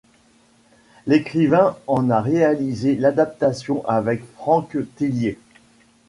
L'écrivain en a réalisé l'adaptation avec Franck Thilliez.